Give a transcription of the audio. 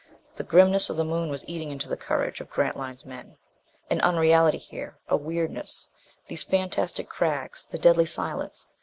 The grimness of the Moon was eating into the courage of Grantline's men. An unreality here. A weirdness. These fantastic crags. The deadly silence.